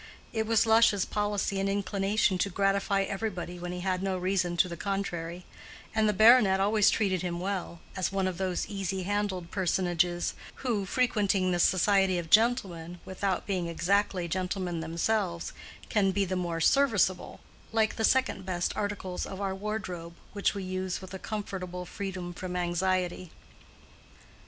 It was Lush's policy and inclination to gratify everybody when he had no reason to the contrary; and the baronet always treated him well, as one of those easy handled personages who, frequenting the society of gentlemen, without being exactly gentlemen themselves, can be the more serviceable, like the second best articles of our wardrobe, which we use with a comfortable freedom from anxiety.